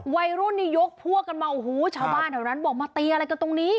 วัยรุ่นนี่ยกพวกกันมาโอ้โหชาวบ้านแถวนั้นบอกมาตีอะไรกันตรงนี้